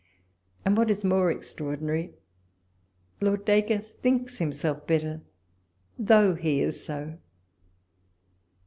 and what is more extraordinary, Lord Dacre thinks him self better, though he is so.